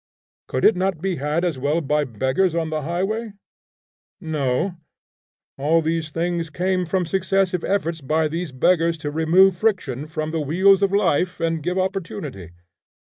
Could it not be had as well by beggars on the highway? No, all these things came from successive efforts of these beggars to remove friction from the wheels of life, and give opportunity.